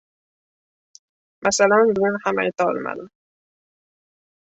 Masalan, bugun ham aytolmadim.